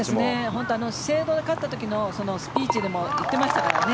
本当に資生堂で勝った時のスピーチでも言っていましたからね。